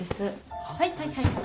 はいはいはいはい。